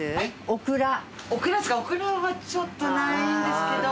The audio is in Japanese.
オクラはちょっとないんですけど。